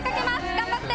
頑張って！